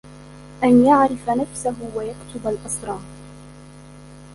أَنْ يَعْرِفَ نَفْسَهُ وَيَكْتُمَ الْأَسْرَارَ